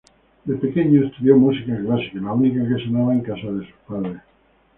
De pequeño, estudió música clásica, la única que sonaba en casa de sus padres.